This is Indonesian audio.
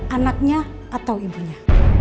anaknya atau ibunya